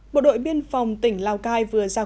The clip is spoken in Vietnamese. bộ đội biên phòng tỉnh lào cai vừa ra quân